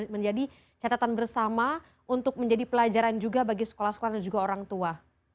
menjadi catatan bersama untuk menjadi pelajaran juga bagi sekolah sekolah dan juga orang tua